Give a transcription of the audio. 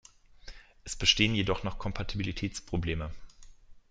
Es bestehen jedoch noch Kompatibilitätsprobleme.